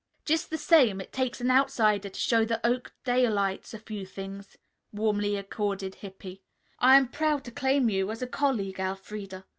"Just the same, it takes an outsider to show the Oakdalites a few things," warmly accorded Hippy. "I am proud to claim you as a colleague, Elfreda.